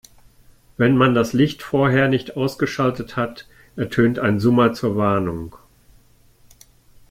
Wenn man das Licht vorher nicht ausgeschaltet hat, ertönt ein Summer zur Warnung.